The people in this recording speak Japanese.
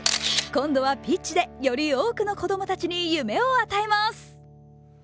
今度はピッチで、より多くの子供たちに夢を与えます。